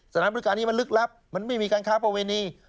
สถานบริการนี้มันลึกลับมันไม่มีการค้าประเวณี